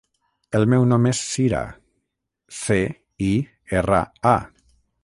El meu nom és Cira: ce, i, erra, a.